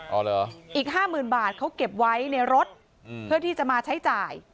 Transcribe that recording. อีกห้าหมื่นบาทเขาเก็บไว้ในรถเพื่อที่จะมาใช้จ่าย